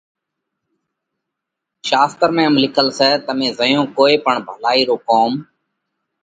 شاستر ۾ ام لکل سئہ: تمي زئيون ڪوئي پڻ ڀلائِي رو ڪوم،